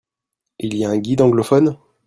Il y a un guide anglophone ?